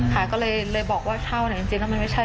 ค่ะก็เลยบอกว่าเช่าเนี่ยจริงแล้วมันไม่ใช่